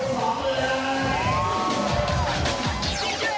มันเยอะมาก